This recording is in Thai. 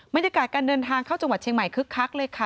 บรรยากาศการเดินทางเข้าจังหวัดเชียงใหม่คึกคักเลยค่ะ